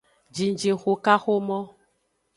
Jijixukaxomo.